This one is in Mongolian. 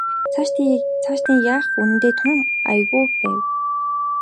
Цаашид яах нь үнэндээ тун аягүй байв.